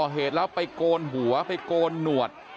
เหตุแล้วไปโกนหัวไปโกนหนวด